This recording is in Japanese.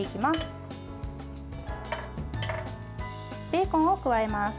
ベーコンを加えます。